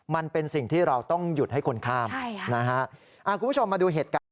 มันเป็นสิ่งที่เราต้องหยุดให้คนข้ามใช่ค่ะนะฮะอ่าคุณผู้ชมมาดูเหตุการณ์